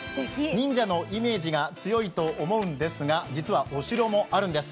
忍者のイメージが強いと思うんですが実はお城もあるんです。